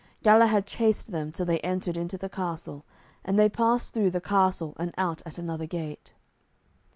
Galahad chased them till they entered into the castle, and then passed through the castle and out at another gate.